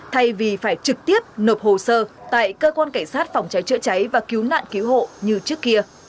thay vì phải trực tiếp nộp hồ sơ tại cơ quan cảnh sát phòng cháy chữa cháy và cứu nạn cứu hộ như trước kia